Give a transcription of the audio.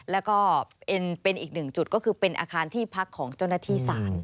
แล้วก็เป็นอีกหนึ่งจุดก็คือเป็นอาคารที่พักของเจ้าหน้าที่ศาล